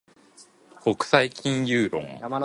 国際金融論